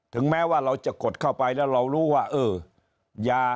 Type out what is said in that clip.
แม้ว่าเราจะกดเข้าไปแล้วเรารู้ว่าเออยา